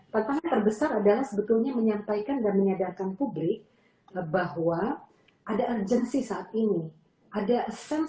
maka terbesar sebenarnya merupakan pertanyaan yang menyebabkan